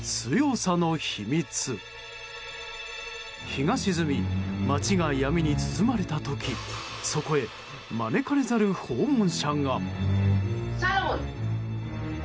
日が沈み、街が闇に包まれた時そこへ招かれざる訪問者が。